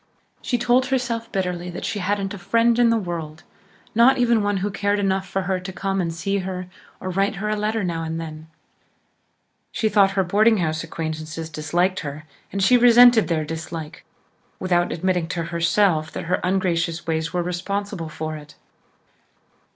She told herself bitterly that she hadn't a friend in the world not even one who cared enough for her to come and see her or write her a letter now and then. She thought her boarding house acquaintances disliked her and she resented their dislike, without admitting to herself that her ungracious ways were responsible for it.